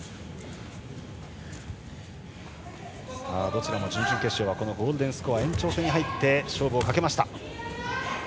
どちらも準々決勝はゴールデンスコアの延長戦に入って勝負をかけました。